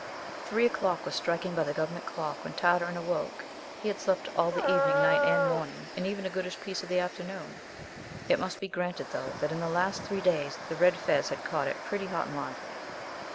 THREE o'clock was striking by the Government clock when Tartarin awoke. He had slept all the evening, night, and morning, and even a goodish piece of the afternoon. It must be granted, though, that in the last three days the red fez had caught it pretty hot and lively!